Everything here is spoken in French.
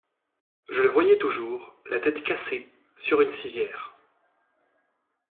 Je le voyais toujours, la tête cassée, sur une civière.